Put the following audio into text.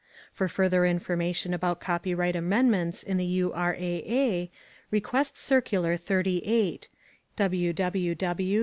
For further information about copyright amendments in the URAA, request Circular 38 [http://www.